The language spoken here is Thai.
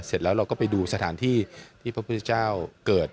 เสร็จแล้วเราก็ไปดูสถานที่ที่พระพุทธเจ้าเกิด